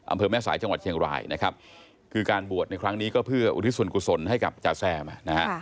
อำเภอแม่สายจังหวัดเชียงรายนะครับคือการบวชในครั้งนี้ก็เพื่ออุทิศส่วนกุศลให้กับจาแซมนะฮะ